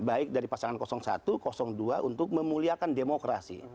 baik dari pasangan satu dua untuk memuliakan demokrasi